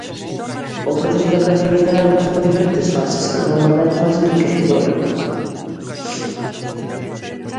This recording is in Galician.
O proceso da creación literaria pasa por diferentes fases, cada unha delas máis enriquecedora.